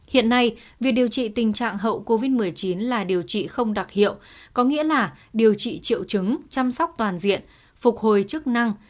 hiện nay việc điều trị tình trạng hậu covid một mươi chín là điều trị không đặc hiệu có nghĩa là điều trị triệu chứng chăm sóc toàn diện phục hồi chức năng